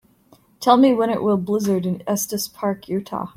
Tell me when it will blizzard in Estes Park, Utah